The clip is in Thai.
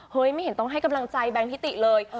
ไม่เห็นต้องให้กำลังใจแบงคิติเลย